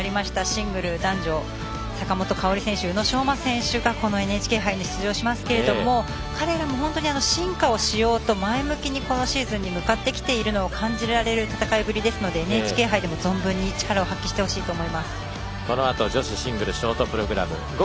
シングル男女、坂本花織選手宇野昌磨選手がこのＮＨＫ杯に出場しますけれども彼らも本当に進化をしようと前向きにこのシーズン取り組んでいると感じられる戦いぶりですのでＮＨＫ杯でも存分に力を発揮してほしいと思います。